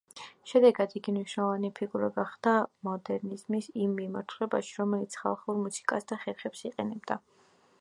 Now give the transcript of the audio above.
შედეგად, იგი მნიშვნელოვანი ფიგურა გახდა მოდერნიზმის იმ მიმართულებაში, რომელიც ხალხურ მუსიკას და ხერხებს იყენებდა.